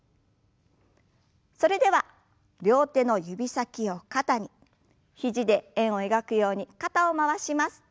それでは両手の指先を肩に肘で円を描くように肩を回します。